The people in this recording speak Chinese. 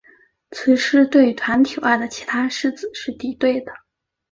雌狮对团体外的其他狮子是敌对的。